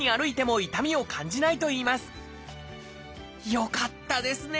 よかったですね！